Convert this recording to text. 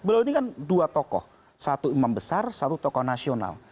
beliau ini kan dua tokoh satu imam besar satu tokoh nasional